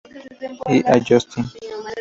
Y a Justin.